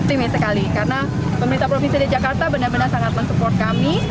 optimis sekali karena pemerintah provinsi dki jakarta benar benar sangat mensupport kami